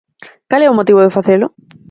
¿Cal é o motivo de facelo?